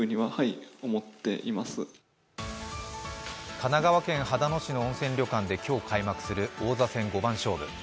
神奈川県秦野市の温泉旅館で今日開幕する王座戦五番勝負。